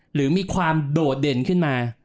หรือมีความโดดเด่นขึ้นมา